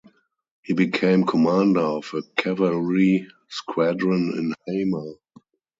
He became commander of a cavalry squadron in Hama.